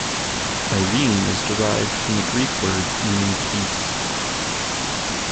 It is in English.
Irene is derived from the Greek word meaning peace.